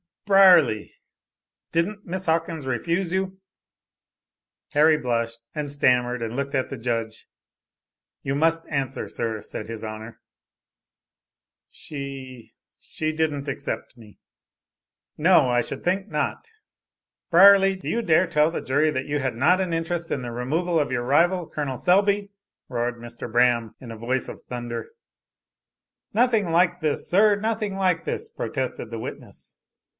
er....Brierly! Didn't Miss Hawkins refuse you?" Harry blushed and stammered and looked at the judge. "You must answer, sir," said His Honor. "She she didn't accept me." "No. I should think not. Brierly do you dare tell the jury that you had not an interest in the removal of your rival, Col. Selby?" roared Mr. Braham in a voice of thunder. "Nothing like this, sir, nothing like this," protested the witness.